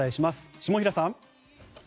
下平さん。